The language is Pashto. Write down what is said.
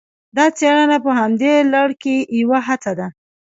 دا څېړنه په همدې لړ کې یوه هڅه ده